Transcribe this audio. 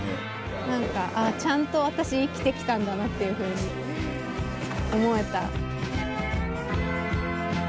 何かちゃんと私生きてきたんだなっていうふうに思えた。